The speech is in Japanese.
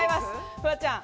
フワちゃん。